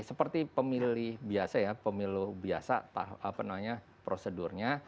seperti pemilih biasa ya pemilu biasa apa namanya prosedurnya